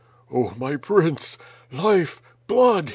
"Oh, my Prince! Life, blood!"